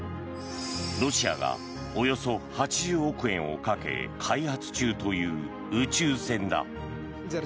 ロシアがおよそ８０億円をかけ開発中という宇宙船だ。